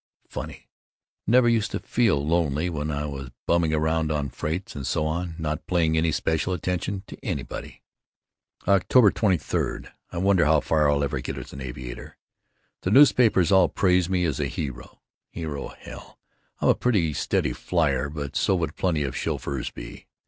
Funny—never used to feel lonely when I was bumming around on freights and so on, not paying any special attention to anybody. October 23: I wonder how far I'll ever get as an aviator? The newspapers all praise me as a hero. Hero, hell! I'm a pretty steady flier but so would plenty of chauffeurs be.